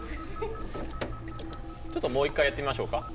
ちょっともう一回やってみましょうか。